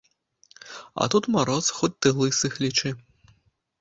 А тут мароз, хоць ты лысых лічы!